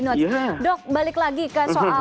note dok balik lagi ke soal